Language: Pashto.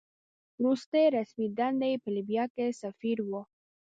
وروستۍ رسمي دنده یې په لیبیا کې سفیر وه.